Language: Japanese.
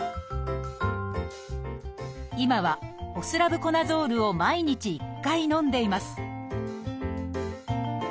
今はホスラブコナゾールを毎日１回のんでいます